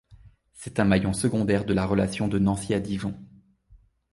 C'est un maillon secondaire de la relation de Nancy à Dijon.